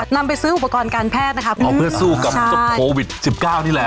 นำไปซื้ออุปกรณ์การแพทย์นะคะเอาเพื่อสู้กับเจ้าโควิดสิบเก้านี่แหละ